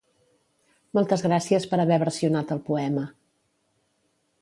Moltes gràcies per haver versionat el poema.